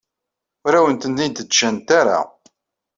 Ur awen-ten-id-ǧǧant ara.